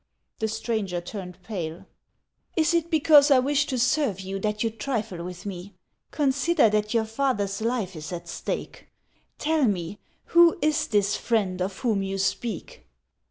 The stranger turned pale. "Is it because T wish to serve you that you trifle with me ? Consider that your father's life is at stake. Tell me, who is this friend of whom you speak